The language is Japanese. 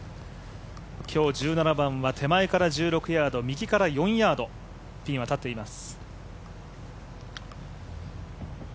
今日１７番は手前から１６ヤード、右から４ヤード、ピンは立っています。